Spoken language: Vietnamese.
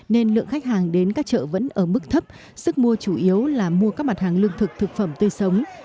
nên lượng khách hàng đến các chợ vẫn ở mức thấp sức mua chủ yếu là mua các mặt hàng lương thực thực phẩm tươi sống